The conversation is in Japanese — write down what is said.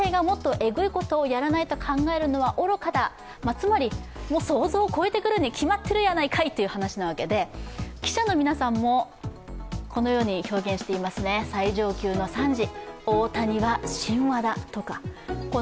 つまり、想像を超えてくるに決まってるやないかい！ということで、記者の皆さんも、このように表現していますね、最上級の賛辞。